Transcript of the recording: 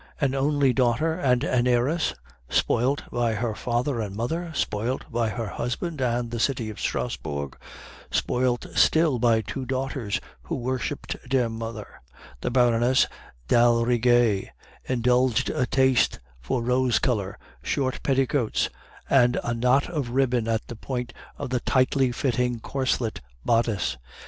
"An only daughter and an heiress, spoilt by her father and mother, spoilt by her husband and the city of Strasbourg, spoilt still by two daughters who worshiped their mother, the Baroness d'Aldrigger indulged a taste for rose color, short petticoats, and a knot of ribbon at the point of the tightly fitting corselet bodice.